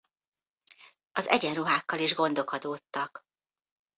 Az egyenruhákkal is gondok adódtak.